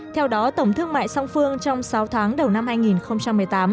theo đó tổng thương mại song phương trong sáu tháng đầu năm hai nghìn một mươi tám